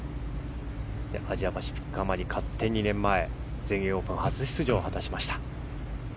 アジアパシフィックアマに勝って、２年前全英オープン初出場を果たしました。